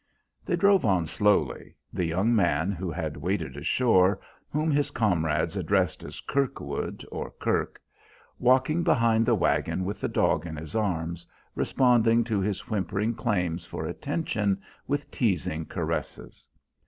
They drove on slowly, the young man who had waded ashore, whom his comrades addressed as Kirkwood or Kirk, walking behind the wagon with the dog in his arms, responding to his whimpering claims for attention with teasing caresses.